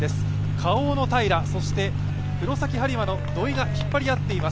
Ｋａｏの平、黒崎播磨の土井が引っ張り合っています。